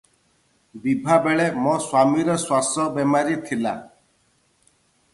ବିଭାବେଳେ ମୋ ସ୍ୱାମୀର ଶ୍ୱାସ ବେମାରୀ ଥିଲା ।